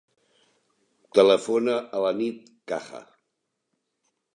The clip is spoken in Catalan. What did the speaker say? Telefona a la Nit Caja.